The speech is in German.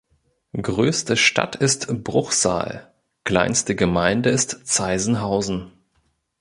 Größte Stadt ist Bruchsal, kleinste Gemeinde ist Zaisenhausen.